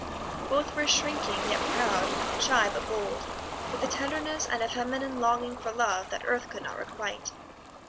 Both were shrinking yet proud, shy but bold, with a tenderness and a feminine longing for love that earth could not requite.